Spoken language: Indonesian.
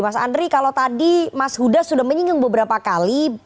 mas andri kalau tadi mas huda sudah menyinggung beberapa kali